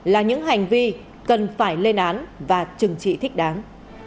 là những hành vi cần phải lên án và chừng trị thích đáng